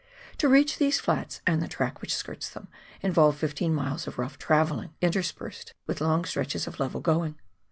To reach these flats and the track which skirts them, involved fifteen miles of rough travelling interspersed with long stretches of level going.